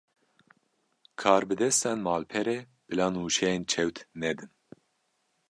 Karbidestên malperê, bila nûçeyên çewt nedin